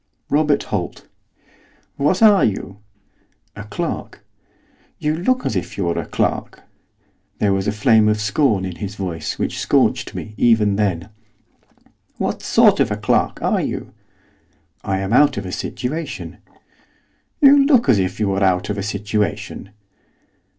'Robert Holt.' 'What are you?' 'A clerk.' 'You look as if you were a clerk.' There was a flame of scorn in his voice which scorched me even then. 'What sort of a clerk are you?' 'I am out of a situation.' 'You look as if you were out of a situation.